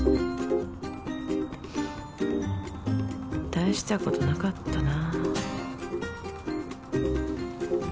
大したことなかったな。